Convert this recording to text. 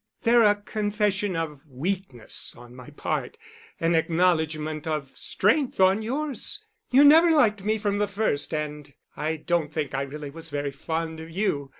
They're a confession of weakness on my part—an acknowledgment of strength on yours. You never liked me from the first, and I don't think I really was very fond of you.